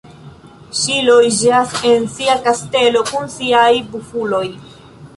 Ŝi loĝas en sia kastelo kun siaj Bufuloj.